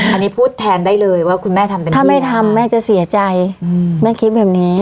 อันนี้พูดแทนได้เลยว่าคุณแม่ทำยังไงถ้าไม่ทำแม่จะเสียใจแม่คิดแบบนี้